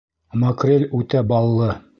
Макрель үтә баллы.